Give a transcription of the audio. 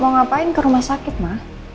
mau ngapain ke rumah sakit mah